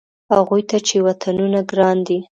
هغوی ته چې وطنونه ګران دي.